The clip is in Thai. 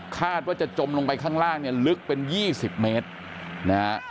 คาดว่าจะจมลงไปข้างล่างเนี่ยลึกเป็น๒๐เมตรนะฮะ